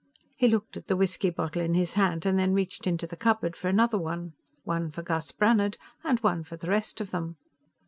He looked at the whisky bottle in his hand, and then reached into the cupboard for another one. One for Gus Brannhard, and one for the rest of them.